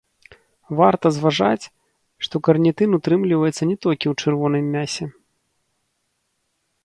Варта зважаць, што карнітын утрымліваецца не толькі ў чырвоным мясе.